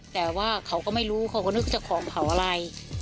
แต่ว่าเขาก็ไม่รู้เขาก็นึกจะของเผาอะไร